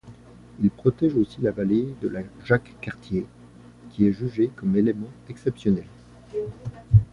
Il protège aussi la vallée de la Jacques-Cartier, qui est jugé comme élément exceptionnel.